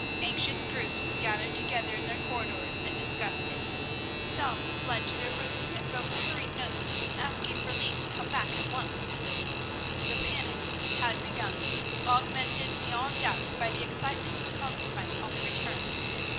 Anxious groups gathered together in the corridors and discussed it. Some fled to their rooms and wrote hurried notes home, asking for leave to come back at once. The panic had begun, augmented beyond doubt by the excitement consequent on the return.